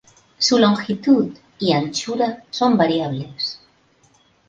Su longitud y anchura son variables.